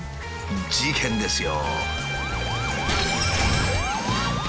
事件ですよ。